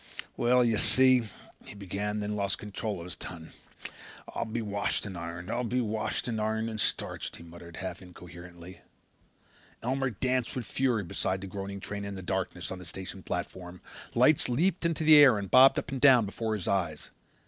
"Well, you see," he began, and then lost control of his tongue. "I'll be washed and ironed. I'll be washed and ironed and starched," he muttered half incoherently. Elmer Cowley danced with fury beside the groaning train in the darkness on the station platform. Lights leaped into the air and bobbed up and down before his eyes.